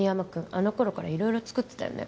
あの頃から色々作ってたよね